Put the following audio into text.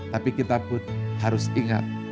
tapi kita pun harus ingat